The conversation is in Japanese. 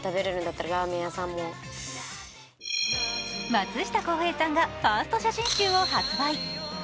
松下洸平さんがファースト写真集を発売。